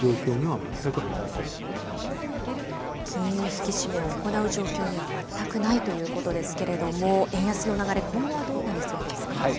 引き締めを行う状況には全くないということですけれども、円安の流れ、今後はどうなりそうですか。